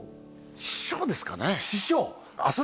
師匠ですかね師匠？